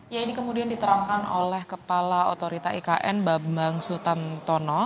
ya ini kemudian diterangkan oleh kepala otorita ikn bambang sutantono